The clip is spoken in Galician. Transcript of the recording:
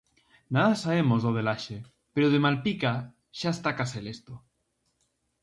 Nada sabemos do de Laxe, pero o de Malpica xa está case listo.